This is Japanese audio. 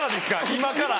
今から？